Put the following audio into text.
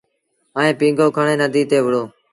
ائيٚݩ پيٚنگو کڻي نديٚ تي وُهڙو۔